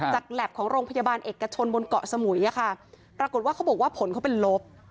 แล็บของโรงพยาบาลเอกชนบนเกาะสมุยค่ะปรากฏว่าเขาบอกว่าผลเขาเป็นลบ